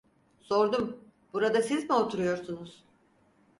Sordum: "Burada siz mi oturuyorsunuz?"